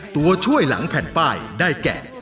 ตัวช่วยหลังแผ่นป้ายได้แก่